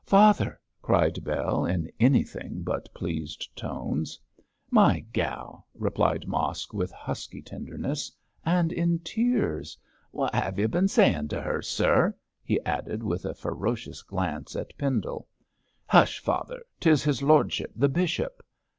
'Father!' cried Bell, in anything but pleased tones. 'My gal!' replied Mosk, with husky tenderness 'and in tears. What 'ave you bin sayin' to her, sir?' he added, with a ferocious glance at Pendle. 'Hush, father! 'tis his lordship, the bishop.'